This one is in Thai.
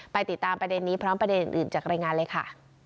ติดตามประเด็นนี้พร้อมประเด็นอื่นจากรายงานเลยค่ะ